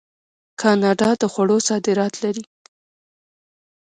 کاناډا د خوړو صادرات لري.